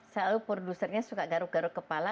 selalu produsernya suka garuk garuk kepala